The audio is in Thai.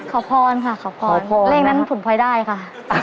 ขอพรค่ะขอพรเลขนั้นผลพลอยได้ค่ะ